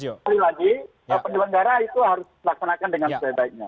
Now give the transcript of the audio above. jadi lagi penyelenggara itu harus dilaksanakan dengan sebaiknya